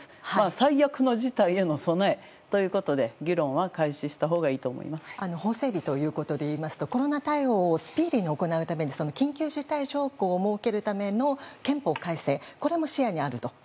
最悪の事態への備えということで議論は開始したほうがいいと法整備でいうとコロナ対応をスピーディーに行うために緊急事態条項を設けるための憲法改正、これも視野にあると？